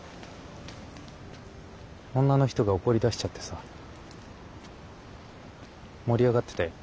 女の人が怒りだしちゃってさ盛り上がってたよ。